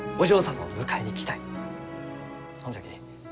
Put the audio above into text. ほんじゃき